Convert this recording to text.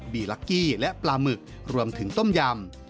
ลักกี้และปลาหมึกรวมถึงต้มยำ